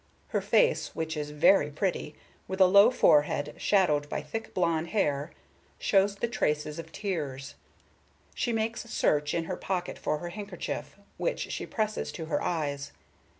Her face, which is very pretty, with a low forehead shadowed by thick blond hair, shows the traces of tears. She makes search in her pocket for her handkerchief, which she presses to her eyes.